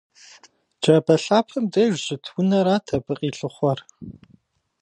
Джабэ лъапэм деж щыт унэрат абы къилъыхъуэр.